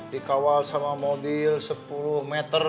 dikawal sama mobil sepuluh meter